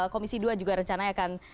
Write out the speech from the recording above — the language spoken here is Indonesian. komisi dua juga rencananya akan